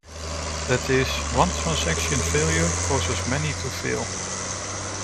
That is, one transaction's failure causes many to fail.